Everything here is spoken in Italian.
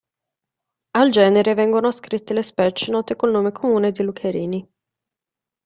Al genere vengono ascritte le specie note col nome comune di lucherini.